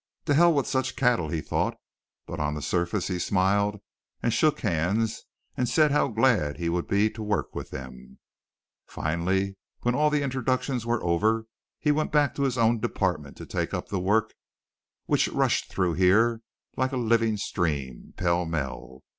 "To hell with such cattle," he thought, but on the surface he smiled and shook hands and said how glad he would be to work with them. Finally when all the introductions were over he went back to his own department, to take up the work which rushed through here like a living stream, pellmell.